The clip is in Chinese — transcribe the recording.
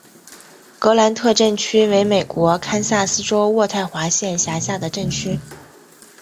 格兰特镇区为美国堪萨斯州渥太华县辖下的镇区。